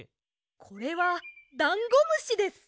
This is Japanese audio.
これはダンゴムシです。